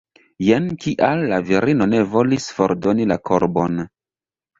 Jen kial la virino ne volis fordoni la korbon!